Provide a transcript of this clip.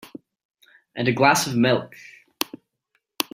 And a glass of milk.